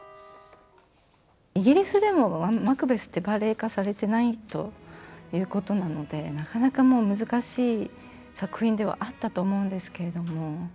イギリスでもマクベスって、バレエ化されてないということなので、なかなか難しい作品ではあったと思うんですけれども。